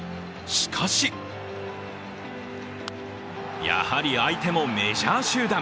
しかしやはり相手もメジャー集団。